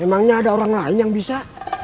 emangnya ada orang lain yang bisa